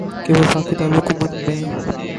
کہ وفاقی دارالحکومت میں